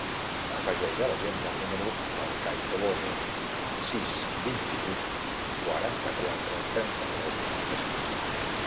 Afegeix a l'agenda el número del Cai Toboso: sis, vint-i-vuit, quaranta-quatre, trenta-tres, noranta-sis.